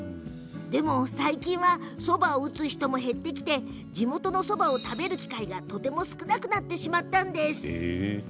でも最近はそばを打つ人も減ってきて地元のそばを食べる機会がとても少なくなってしまったんです。